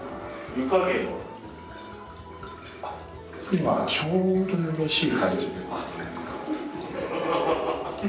今ちょうどよろしい感じで。